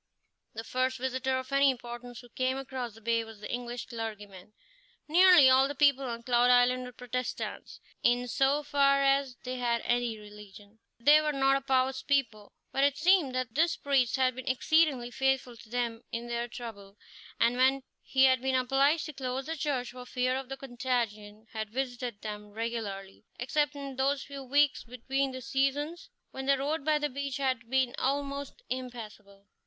The first visitor of any importance who came across the bay was the English clergyman. Nearly all the people on Cloud Island were Protestants, in so far as they had any religion. They were not a pious people, but it seemed that this priest had been exceedingly faithful to them in their trouble, and when he had been obliged to close the church for fear of the contagion, had visited them regularly, except in those few weeks between the seasons when the road by the beach had been almost impassable.